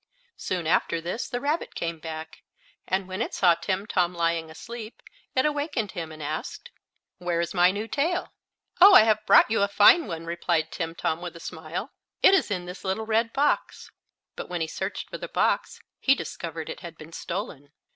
Soon after this the rabbit came back, and when it saw Timtom lying asleep it awakened him and asked: "Where is my new tail?" "Oh, I have brought you a fine one," replied Timtom, with a smile. "It is in this little red box." But when he searched for the box he discovered it had been stolen.